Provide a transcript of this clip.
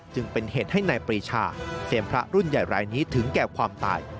จึงเป็นเหตุให้นายปรีชาเซียมพระรุ่นใหญ่รายนี้ถึงแก่ความตาย